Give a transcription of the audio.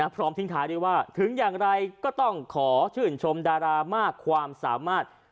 พร้อมทิ้งท้ายด้วยว่าถึงอย่างไรก็ต้องขอชื่นชมดารามากความสามารถ